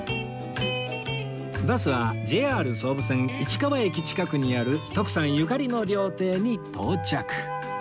バスは ＪＲ 総武線市川駅近くにある徳さんゆかりの料亭に到着